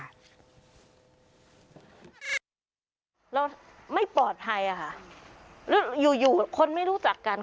เราไม่ปลอดภัยอะค่ะแล้วอยู่อยู่คนไม่รู้จักกัน